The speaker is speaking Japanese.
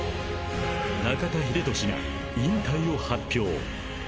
［中田英寿が引退を発表］